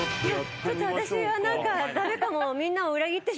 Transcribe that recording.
ちょっと私はなんかダメかも。